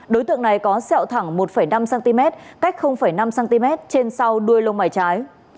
đối tượng này có xeo thẳng một năm cm cách năm cm trên sau đuôi lông mải trái